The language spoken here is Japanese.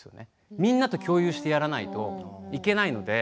みんなと共有してやらないといけないので。